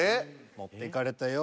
持っていかれたよ。